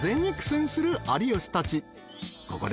［ここで］